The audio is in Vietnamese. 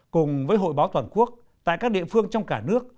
cùng với hội báo toàn quốc tại các địa phương trong cả nước